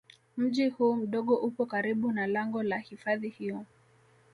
Mji huu mdogo upo karibu na lango la hifadhi hiyo